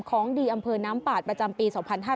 ของดีอำเภอน้ำปาดประจำปี๒๕๕๙